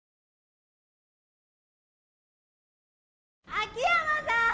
秋山さん！